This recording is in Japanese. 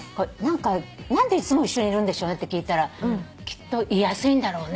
何でいつも一緒にいるんでしょうねって聞いたら「きっといやすいんだろうね」